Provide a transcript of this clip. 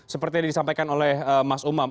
seperti yang disampaikan oleh mas umam